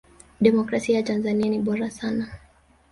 demokrasia ya tanzania ni bora sana